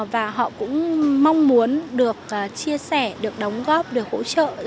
và họ cũng mong muốn được chia sẻ được đóng góp được hỗ trợ